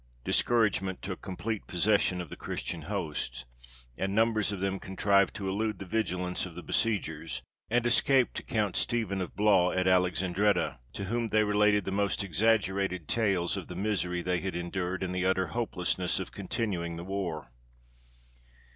Discouragement took complete possession of the Christian host, and numbers of them contrived to elude the vigilance of the besiegers, and escape to Count Stephen of Blois at Alexandretta, to whom they related the most exaggerated tales of the misery they had endured, and the utter hopelessness of continuing the war.